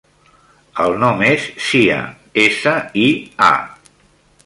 El nom és Sia: essa, i, a.